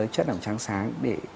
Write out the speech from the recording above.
chất làm trắng sáng để